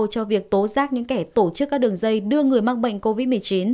cho việc tố giác những kẻ tổ chức các đường dây đưa người mắc bệnh covid một mươi chín